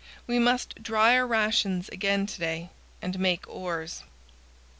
We must dry our rations again to day and make oars.